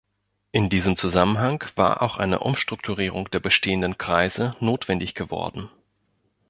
In diesem Zusammenhang war auch eine Umstrukturierung der bestehenden Kreise notwendig geworden.